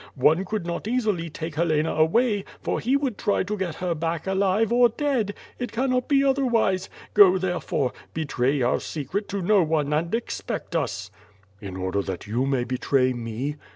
One could not easily take Helena away, for he would try to get her back alive or dead. It cannot be otherwise. Go therefore. Betray our secret to no one and expect us.^' "In order that you may betray me?"